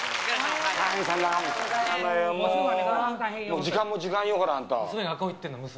もう時間も時間よほらあんた娘